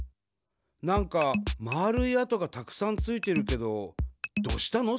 なんかまるい跡がたくさんついてるけどどうしたの？